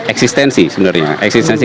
eksistensi sebenarnya eksistensi